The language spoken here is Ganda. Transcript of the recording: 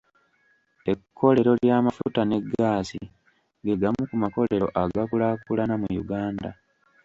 Ekkolero ly'amafuta ne ggaasi ge gamu ku makolero agakulaakulana mu Uganda.